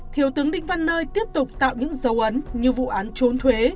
thiếu tướng đinh văn nơi tiếp tục tạo những dấu ấn như vụ án trốn thuế